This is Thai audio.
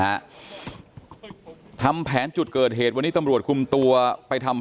ไปทำแผนจุดเริ่มต้นที่เข้ามาที่บ่อนที่พระราม๓ซอย๖๖เลยนะครับทุกผู้ชมครับ